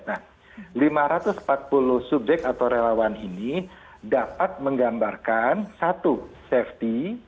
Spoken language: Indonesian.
nah lima ratus empat puluh subjek atau relawan ini dapat menggambarkan satu safety